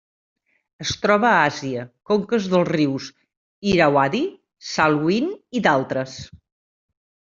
Es troba a Àsia: conques dels rius Irauadi, Salween i d'altres.